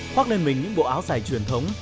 hoác lên mình những bộ áo dài truyền thống